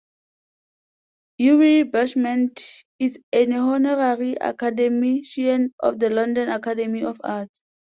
Yuri Bashmet is an Honorary Academician of the London Academy of Arts.